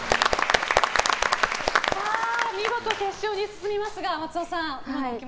見事、決勝に進みますが松尾さん